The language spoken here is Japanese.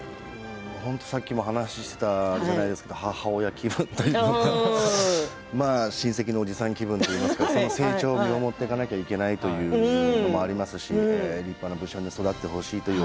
本当にさっきも話ししてたじゃないですけれども母親気分というか親戚のおじさん気分といいますか成長を見守っていかなければいけないというのもありますし立派な武将に育ってほしいという